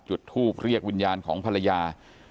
จุดทูปเรียกวิญญาณของภรรยา